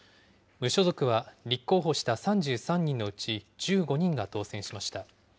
無所属は立候補した３３人のうち１５人が当選しました。